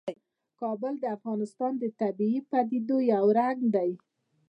کابل د افغانستان د طبیعي پدیدو یو رنګ دی.